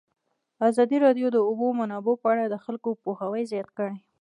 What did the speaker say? ازادي راډیو د د اوبو منابع په اړه د خلکو پوهاوی زیات کړی.